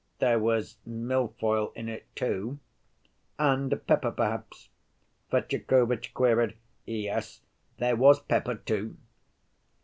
"There was milfoil in it, too." "And pepper perhaps?" Fetyukovitch queried. "Yes, there was pepper, too."